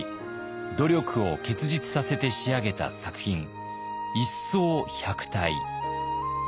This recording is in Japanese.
努力を結実させて仕上げた作品「一掃百態」。